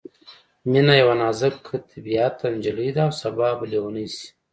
مينه یوه نازک طبعیته نجلۍ ده او سبا به ليونۍ شي